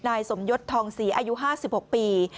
นายสมยศทองศรีอายุ๕๖ปี